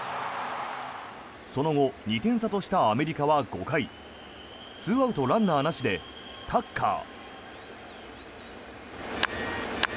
その後、２点差としたアメリカは５回２アウト、ランナーなしでタッカー。